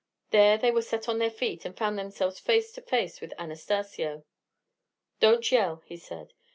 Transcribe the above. There they were set on their feet, and found themselves face to face with Anastacio. "Don't yell," he said.